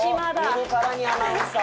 見るからにアナウンサー。